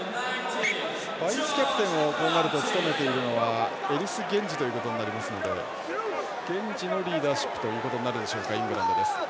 バイスキャプテンを務めているのはエリス・ゲンジとなりますのでゲンジのリーダーシップということになるでしょうかイングランドです。